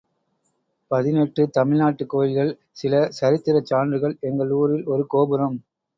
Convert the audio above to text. பதினெட்டு தமிழ்நாட்டுக் கோயில்கள் சில சரித்திரச் சான்றுகள் எங்கள் ஊரில் ஒரு கோபுரம்.